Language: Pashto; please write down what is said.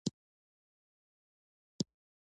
زه پناه غواړم په الله د شيطان رټلي شوي نه